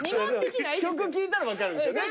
曲聴いたら分かるんですよね。